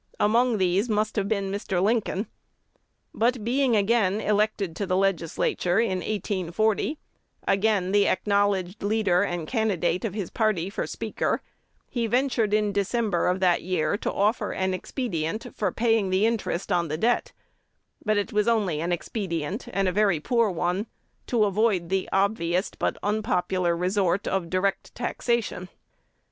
Among these must have been Mr. Lincoln. But being again, elected to the Legislature in 1840, again the acknowledged leader and candidate of his party for speaker, he ventured in December of that year to offer an expedient for paying the interest on the debt; but it was only an expedient, and a very poor one, to avoid the obvious but unpopular resort of direct taxation.